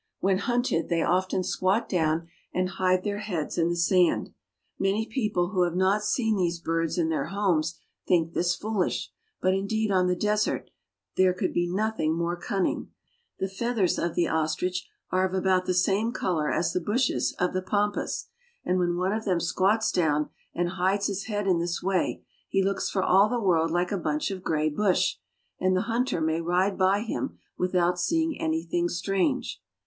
When hunted they often squat down and hide their heads in the sand. Many people who have not seen these birds in their homes think this fooHsh, but indeed on the desert there could be nothing more cunning. The feathers of the ostrich Ostriches are not easy to catch. are of about the same color as the bushes of the pam pas, and when one of them squats down and hides his head in this way he looks for all the world like a bunch of gray bush, and the hunter may ride by him without seeing anything strange.